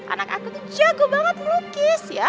anak aku tuh jago banget melukis ya